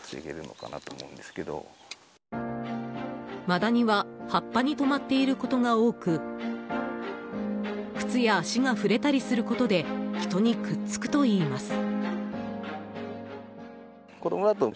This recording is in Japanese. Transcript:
マダニは葉っぱに止まっていることが多く靴や足が触れたりすることで人にくっつくといいます。